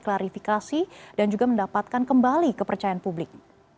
klarifikasi dan juga mendapatkan kembali kepercayaan publik